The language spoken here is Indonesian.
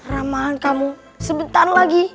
ramalan kamu sebentar lagi